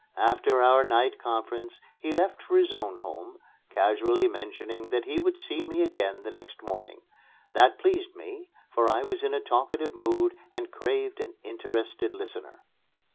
After our night conference he left for his own home, casually mentioning that he would see me again the next morning. That pleased me, for I was in a talkative mood and craved an interested listener.